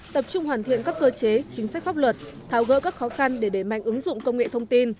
tập trung hoàn thiện các cơ chế chính sách pháp luật tháo gỡ các khó khăn để đẩy mạnh ứng dụng công nghệ thông tin